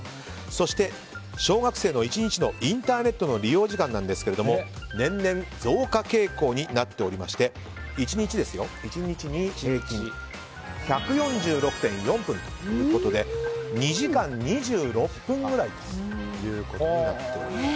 そして小学生の１日のインターネットの利用時間ですが年々増加傾向になっておりまして１日平均１４６．４分ということで２時間２６分ぐらいということになっております。